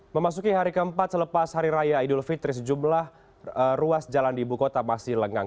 memasuki hari keempat selepas hari raya idul fitri sejumlah ruas jalan di ibu kota masih lengang